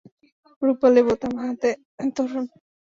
রুপালি বোতাম হাতে তরুণ।